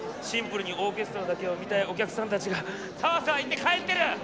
シンプルにオーケストラだけを見たいお客さんたちがさわさわ言って帰ってる！